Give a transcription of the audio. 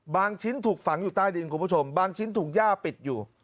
ชิ้นถูกฝังอยู่ใต้ดินคุณผู้ชมบางชิ้นถูกย่าปิดอยู่